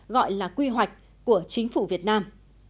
gọi là quy hoạch của chính phủ việt nam